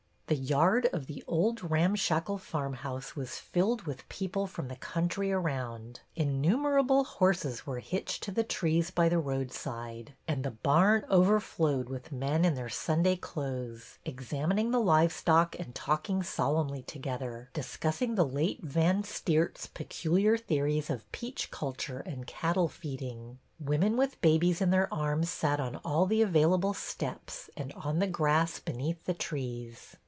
The yard of the old ramshackle farmhouse was filled with people from the country around; innumerable horses were hitched to the trees by the roadside; and the barn overflowed with men in their Sunday clothes, examining the livestock and talking solemnly together, discussing the late THE AUCTION 137 Van Steert's peculiar theories of peach culture and cattle feeding. Women with babies in their arms sat on all the available steps and on the grass beneath the trees.